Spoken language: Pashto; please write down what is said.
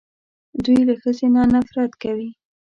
دوی له ښځې نه نفرت کوي